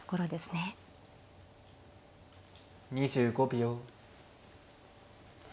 ２５秒。